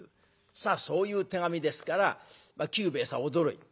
さあそういう手紙ですから久兵衛さん驚いた。